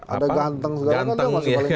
ada ganteng juga kan